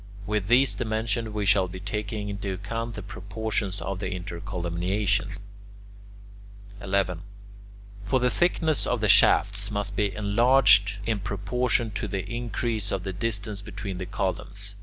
With these dimensions we shall be taking into account the proportions of the intercolumniations. 11. For the thickness of the shafts must be enlarged in proportion to the increase of the distance between the columns.